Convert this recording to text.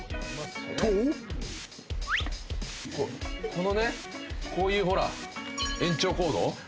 このねこういうほら延長コード。